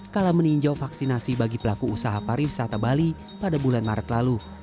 kala meninjau vaksinasi bagi pelaku usaha pariwisata bali pada bulan maret lalu